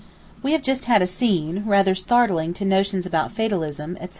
We have just had a scene, rather startling to notions about fatalism, etc.